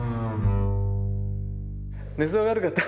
寝相が悪かった。